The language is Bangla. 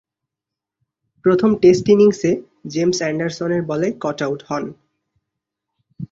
প্রথম টেস্ট ইনিংসে জেমস অ্যান্ডারসনের বলে কট আউট হন।